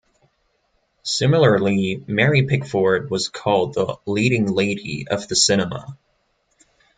Similarly, Mary Pickford was called the "leading lady" of the cinema.